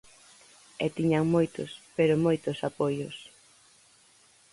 E tiñan moitos, pero moitos apoios.